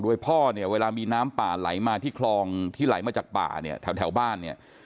ด้วยพ่อเวลามีน้ำป่าไหลมาที่คลองที่ไหลมาจากป่าแถวบ้าน